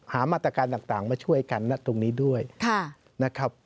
มาตรการต่างมาช่วยกันนะตรงนี้ด้วยนะครับ